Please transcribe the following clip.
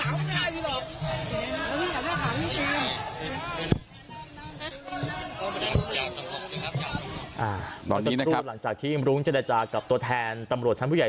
ตอนนี้นะครับวันต้นรูปหลังจากที่จะแล้วกับตัวแทนตำรวจชั้นผู้ใหญ่